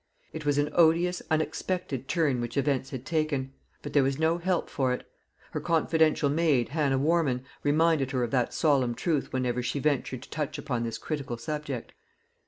It was an odious unexpected turn which events had taken; but there was no help for it. Her confidential maid, Hannah Warman, reminded her of that solemn truth whenever she ventured to touch upon this critical subject.